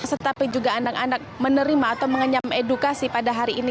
tetapi juga anak anak menerima atau mengenyam edukasi pada hari ini